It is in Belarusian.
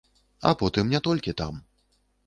А потым не толькі там.